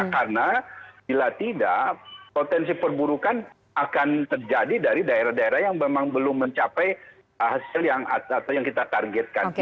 karena bila tidak potensi perburukan akan terjadi dari daerah daerah yang memang belum mencapai hasil yang kita targetkan